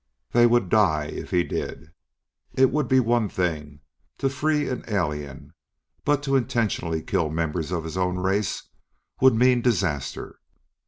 They would die if he did! It would be one thing, to free an alien, but to intentionally kill members of his own race would mean disaster.